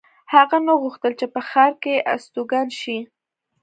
هغه نه غوښتل چې په ښار کې استوګن شي